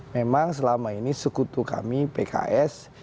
memang selama ini sekutu kami pks